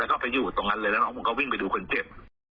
แล้วก็ไปอยู่ตรงนั้นเลยแล้วน้องผมก็วิ่งไปดูคนเจ็บ